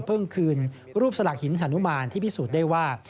คืนรูปสลักหินฮานุมานที่พิสูจน์ได้ว่า